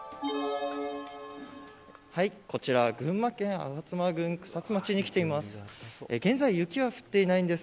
こちらは群馬県草津町に来ています。